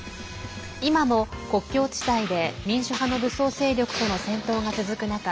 今も、国境地帯で民主派の武装勢力との戦闘が続く中